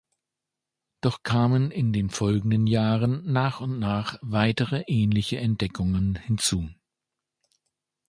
Doch kamen in den folgenden Jahren nach und nach weitere ähnliche Entdeckungen hinzu.